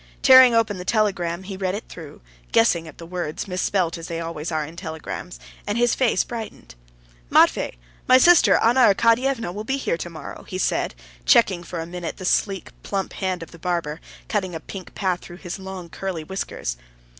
Tearing open the telegram, he read it through, guessing at the words, misspelt as they always are in telegrams, and his face brightened. "Matvey, my sister Anna Arkadyevna will be here tomorrow," he said, checking for a minute the sleek, plump hand of the barber, cutting a pink path through his long, curly whiskers.